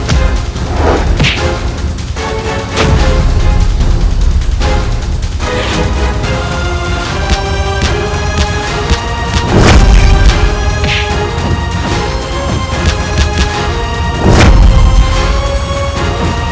menjadi pemimpin parasiruan hahaha